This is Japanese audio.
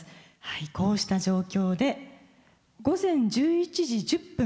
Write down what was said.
こうした状況で午前１１時１０分